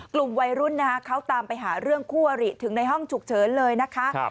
กลุ่มวัยรุ่นนะคะเขาตามไปหาเรื่องคู่อริถึงในห้องฉุกเฉินเลยนะคะ